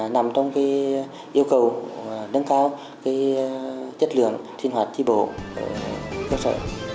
nằm trong yêu cầu nâng cao chất lượng sinh hoạt tri bộ ở cơ sở